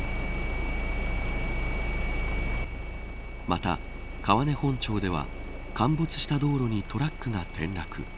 また、川根本町では陥没した道路にトラックが転落。